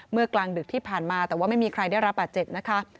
กลางดึกที่ผ่านมาแต่ว่าไม่มีใครได้รับบาดเจ็บนะคะ